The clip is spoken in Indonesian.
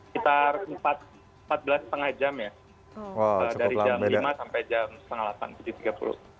kitar empat belas lima jam ya dari jam lima sampai jam tujuh tiga puluh